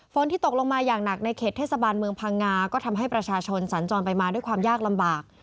ที่ตกลงมาอย่างหนักในเขตเทศบาลเมืองพังงาก็ทำให้ประชาชนสัญจรไปมาด้วยความยากลำบาก